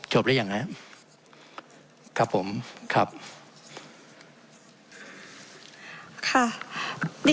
อยากแบบนี้อย่างนี้๔๕๒